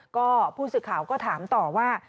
ก็ผู้สื่อข่าวก็ถามต่อว่า